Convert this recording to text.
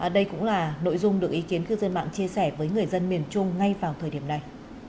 đây cũng là nội dung được ý kiến cư dân mạng chia sẻ với người dân miền trung ngay vào thời điểm này